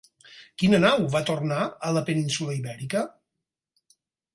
Quina nau va tornar a la península Ibèrica?